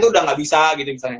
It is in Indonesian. udah nggak bisa gitu misalnya